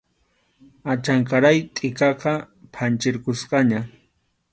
Achanqaray tʼikaqa phanchirqusqaña.